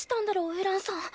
エランさん。